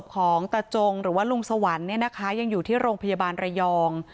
ของตะจงหรือลุงสะวันอยู่ที่โรงพยาบาลเรียอง